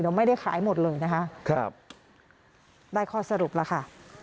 เดี๋ยวไม่ได้ขายหมดเลยนะคะครับได้ข้อสรุปแล้วค่ะ